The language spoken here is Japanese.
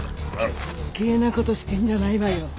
余計な事してんじゃないわよ！